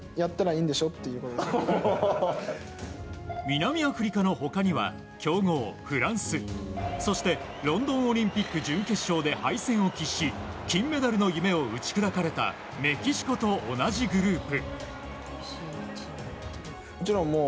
南アフリカの他には強豪フランスそしてロンドンオリンピック準決勝で敗戦を喫し金メダルの夢を打ち砕かれたメキシコと同じグループ。